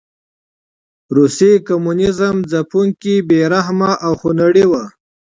روسي کمونېزم ځپونکی، بې رحمه او خونړی و.